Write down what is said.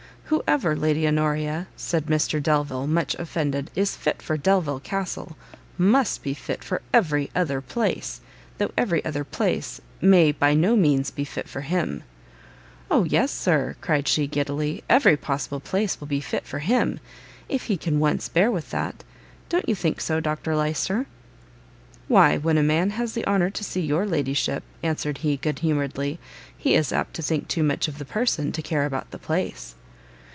"Whoever, Lady Honoria," said Mr Delvile, much offended, "is fit for Delvile Castle, must be fit for every other place; though every other place may by no means be fit for him." "O yes, Sir," cried she, giddily, "every possible place will be fit for him, if he can once bear with that. Don't you think so, Dr Lyster?" "Why, when a man has the honour to see your ladyship," answered he, good humouredly, "he is apt to think too much of the person, to care about the place."